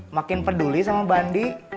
makin peduli sama bandi